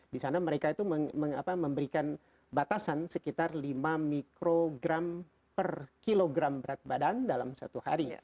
di sana mereka itu memberikan batasan sekitar lima mikrogram per kilogram berat badan dalam satu hari